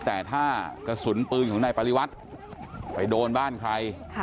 แต่ถ้ากระสุนปืนของนายปริวัติไปโดนบ้านใคร